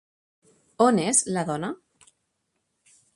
On és la dona?